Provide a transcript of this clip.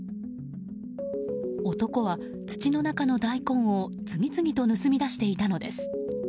男は土の中の大根を次々と盗み出していたのです。